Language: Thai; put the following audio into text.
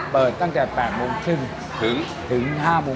เปิดตั้งแต่๘๓๐ถึง๕๓๐ครับ